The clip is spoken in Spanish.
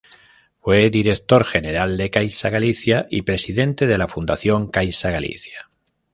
Fue director general de Caixa Galicia y presidente de la Fundación Caixa Galicia.